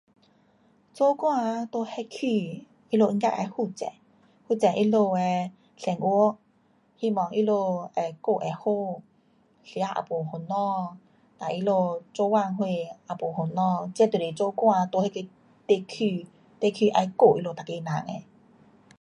做官啊，在那区，他们应该会负责，负责他们的生活，希望他们会过会好，吃也没烦恼，哒他们做工什也没烦恼，这是做官在地区，地区要顾他们人的。